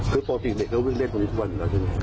คือปกติเด็กก็วิ่งเล่นตรงนี้ทุกวันอยู่แล้วใช่ไหม